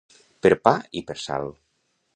Per pa i per sal.